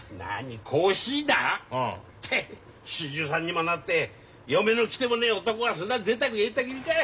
４３にもなって嫁の来手もねえ男がそんなぜいたく言えた義理かい！